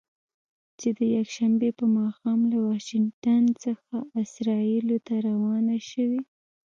چې د یکشنبې په ماښام له واشنګټن څخه اسرائیلو ته روانه شوې.